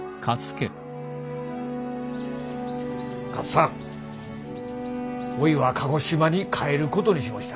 勝さんおいは鹿児島に帰ることにしもした。